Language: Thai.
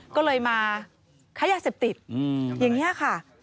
ก็เลยมาค้ายาเสพติดอย่างนี้ค่ะ